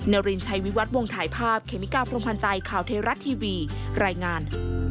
นารินชัยวิวัตวงถ่ายภาพเคมิกาพรมพันธ์ใจข่าวเทราะทีวีรายงาน